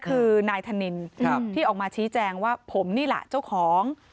คือนายธนินที่ออกมาชี้แจงว่าผมนี่แหละเจ้าของ